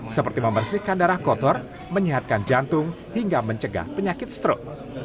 seperti membersihkan darah kotor menyehatkan jantung hingga mencegah penyakit strok